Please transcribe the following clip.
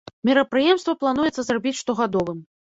Мерапрыемства плануецца зрабіць штогадовым.